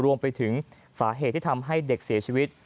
รวมไปถึงสาเหตุที่ทำให้เด็กเสียชีวิต